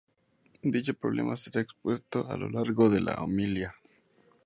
Dicho problema será expuesto a lo largo de la homilía.